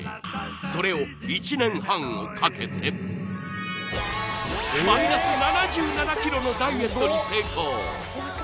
それをマイナス７７ｋｇのダイエットに成功